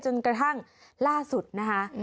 จนกระทั่งล่าสุดนะคะ